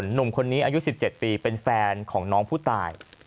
หนุ่มคนนี้อายุ๑๗ปีเป็นแฟนของน้องผู้ตาย